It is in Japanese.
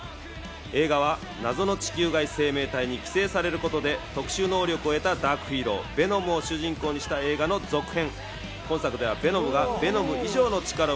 映画は謎の地球外生命体に寄生されることで特殊能力を得たダークヒーロー、ヴェノムを主人公にした映画の続編。